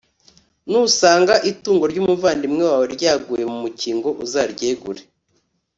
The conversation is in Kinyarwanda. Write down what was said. nusanga itungo ry umuvandimwe wawe ryaguye ku mukingo, uzaryegure